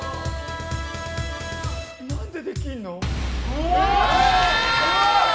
何でできるの？